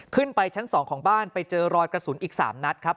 ขึ้นไปชั้น๒ของบ้านไปเจอรอยกระสุนอีก๓นัดครับ